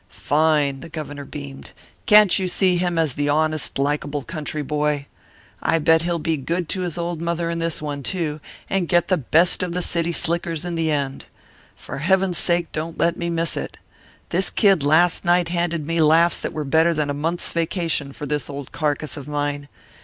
"Fine!" The Governor beamed. "Can't you see him as the honest, likable country boy? I bet he'll be good to his old mother in this one, too, and get the best of the city slickers in the end. For heaven's sake don't let me miss it! This kid last night handed me laughs that were better than a month's vacation for this old carcass of mine.